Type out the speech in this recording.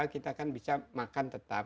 kita kan bisa makan tetap